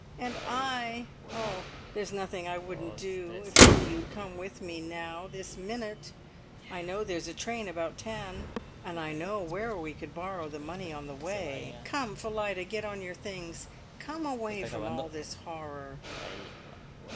And I, oh! there's nothing I wouldn't do if only you'd come with me now this minute! I know there's a train about ten, and I know where we could borrow the money on the way. Come, Phillida, get on your things and come away from all this horror!"